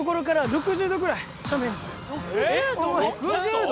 ６０度！？